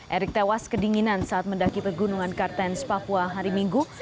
erik tewas kedinginan saat mendaki pegunungan kartens papua hari minggu